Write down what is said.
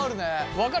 分かる。